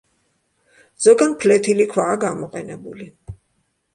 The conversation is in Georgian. ზოგან ფლეთილი ქვაა გამოყენებული.